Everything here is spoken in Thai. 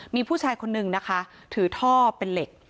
มีผู้ชายคนนึงนะคะถือท่อเป็นเหล็ก